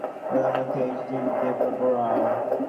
ওই প্রস্তাব দেন তৎকালীন ভারতের প্রধানমন্ত্রী এইচ ডি দেবগৌড়া।